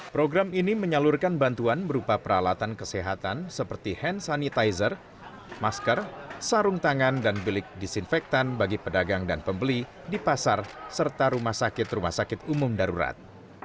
program ini menyalurkan bantuan berupa peralatan kesehatan seperti hand sanitizer masker sarung tangan dan bilik disinfektan bagi pedagang dan pembeli di pasar serta rumah sakit rumah sakit umum darurat